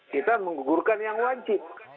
kita menggugurkan yang wajib